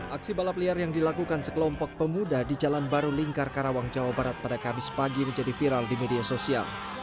aksi balap liar yang dilakukan sekelompok pemuda di jalan baru lingkar karawang jawa barat pada kamis pagi menjadi viral di media sosial